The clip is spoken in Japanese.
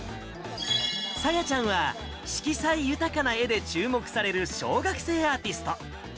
さやちゃんは、色彩豊かな絵で注目される小学生アーティスト。